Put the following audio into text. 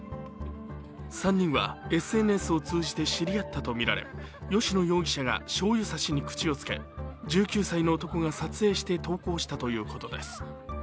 ３人はＳＮＳを通じて知り合ったとみられ吉野容疑者がしょうゆ差しに口をつけ、１９歳の男が撮影して投稿したということです。